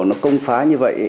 nó công phá như vậy